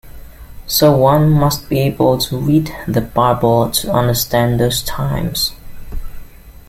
So one must be able to read the Bible to understand those times.